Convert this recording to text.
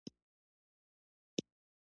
خونه ښه ګرمه وه.